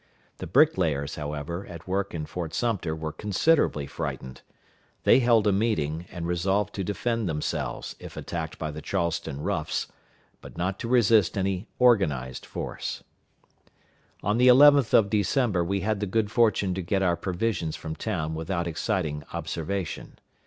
The brick layers, however, at work in Fort Sumter were considerably frightened. They held a meeting, and resolved to defend themselves, if attacked by the Charleston roughs, but not to resist any organized force. On the 11th of December we had the good fortune to get our provisions from town without exciting observation.